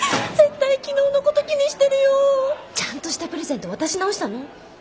絶対昨日のこと気にしてるよ。ちゃんとしたプレゼント渡し直したの？